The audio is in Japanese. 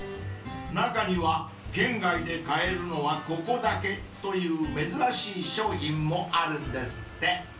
［中には県外で買えるのはここだけという珍しい商品もあるんですって］